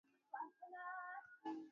A fibered manifold admits fiber charts.